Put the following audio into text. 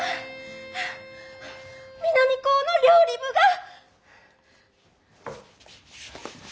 南高の料理部が！